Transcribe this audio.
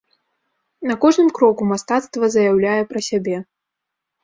На кожным кроку мастацтва заяўляе пра сябе.